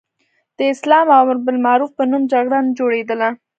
د اسلام او امر بالمعروف په نوم جګړه نه جوړېدله.